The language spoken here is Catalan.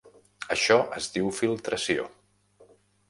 Això es diu filtració.